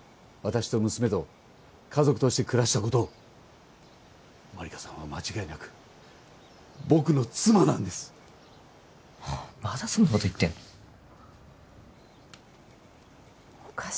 私と娘と家族として暮らしたことを万理華さんは間違いなく僕の妻なんですまだそんなこと言ってんの？